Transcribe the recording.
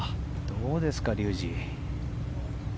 どうですか竜二。